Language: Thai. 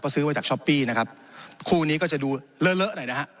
ซื้อมาจากช้อปปี้นะครับคู่นี้ก็จะดูเลอะเลอะหน่อยนะฮะ